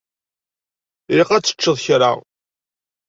Ilaq ad teččeḍ kra.